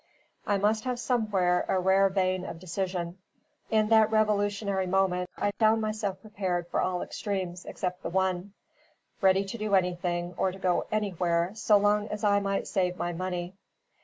I must have somewhere a rare vein of decision. In that revolutionary moment, I found myself prepared for all extremes except the one: ready to do anything, or to go anywhere, so long as I might save my money.